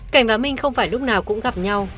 cảnh và minh không phải lúc nào cũng gặp nhau